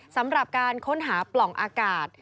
สำหรับการค้นหาปล่องอากาศ